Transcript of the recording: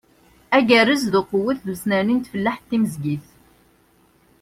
Agerrez n uqewwet d usnerni n tfellaḥt timezgit.